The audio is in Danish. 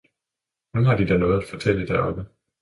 »Nu har de da Noget at fortælle deroppe!